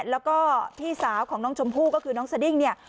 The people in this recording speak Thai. แล้วก็พี่สาวของน้องชมพู่ก็คือน้องสดิ้งเนี่ย